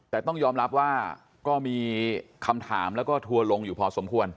แต่ต้องยอมรับว่าก็มีคำถามแล้วก็ทัวร์ลงอยู่พอสมควร